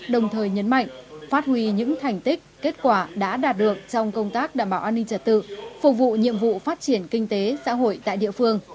đồng thời nhấn mạnh phát huy những thành tích kết quả đã đạt được trong công tác đảm bảo an ninh trật tự phục vụ nhiệm vụ phát triển kinh tế xã hội tại địa phương